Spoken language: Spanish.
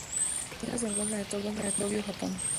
Sus oficinas se encuentran en Tokio, Japón.